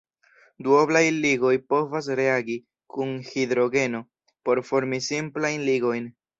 Duoblaj ligoj povas reagi kun hidrogeno por formi simplajn ligojn.